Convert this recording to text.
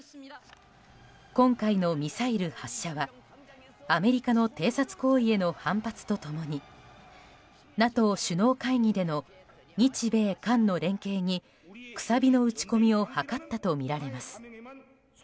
今回のミサイル発射はアメリカの偵察行為への反発と共にＮＡＴＯ首脳会議での日米韓の連携にくさびの打ち込みを図ったとみられます。